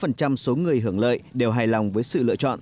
qua đó gần chín mươi tám số người hưởng lợi đều hài lòng với sự lựa chọn